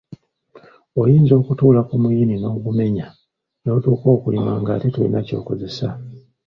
Oyinza okutuula ku muyini n’ogumenya n’otuuka okulima ng’ate tolina ky’okozesa.